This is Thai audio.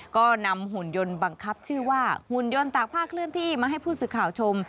ก็นำหุ่นยนตากผ้าเคลื่อนที่มาให้ผู้สึกข่าวชม